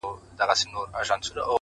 • د مرګي هسي نوم بدنام دی,